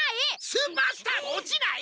スーパースターも落ちない！